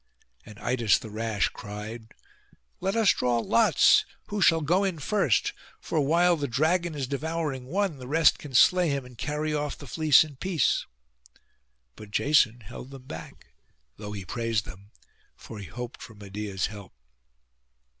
And Idas the rash cried, 'Let us draw lots who shall go in first; for, while the dragon is devouring one, the rest can slay him and carry off the fleece in peace.' But Jason held them back, though he praised them; for he hoped for Medeia's help.